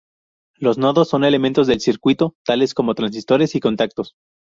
Los nodos son elementos del circuito tales como transistores y contactos.